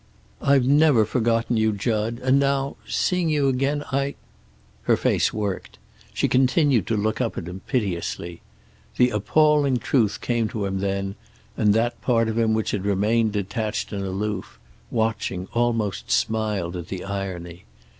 "I've never forgotten you, Jud. And now, seeing you again I " Her face worked. She continued to look up at him, piteously. The appalling truth came to him then, and that part of him which had remained detached and aloof, watching, almost smiled at the irony.